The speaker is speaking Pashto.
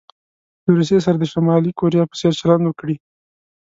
له روسيې سره د شمالي کوریا په څیر چلند وکړي.